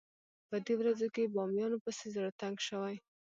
په دې ورځو کې بامیانو پسې زړه تنګ شوی.